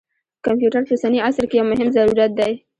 کمپیوټر په اوسني عصر کې یو مهم ضرورت دی.